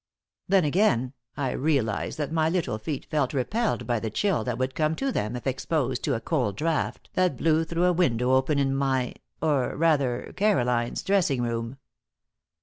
Then, again, I realized that my little feet felt repelled by the chill that would come to them if exposed to a cold draught that blew through a window open in my or, rather, Caroline's dressing room.